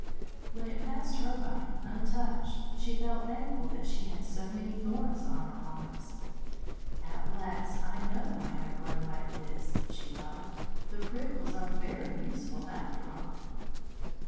When it passed her by untouched she felt thankful that she had so many thorns on her arms. "At last I know why I grow like this," she thought. "The prickles are very useful, after all."